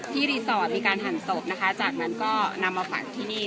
รีสอร์ทมีการหั่นศพนะคะจากนั้นก็นำมาฝังที่นี่